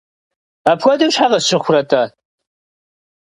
Апхуэдэу щхьэ къысщыхъурэ-тӏэ?